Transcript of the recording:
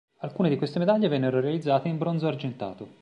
Alcune di queste medaglie vennero realizzate in bronzo argentato.